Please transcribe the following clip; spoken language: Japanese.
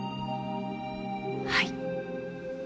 はい。